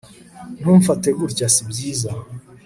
ntumfate gutya sibyiza